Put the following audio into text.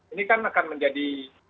ini kan akan menjadi